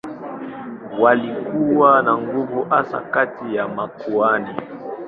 Walikuwa na nguvu hasa kati ya makuhani.